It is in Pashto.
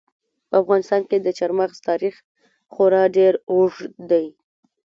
په افغانستان کې د چار مغز تاریخ خورا ډېر اوږد دی.